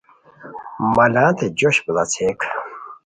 مالانتے جوش بڑاڅھیئک